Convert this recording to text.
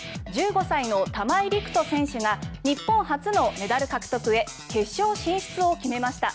１５歳の玉井陸斗選手が日本初のメダル獲得へ決勝進出を決めました。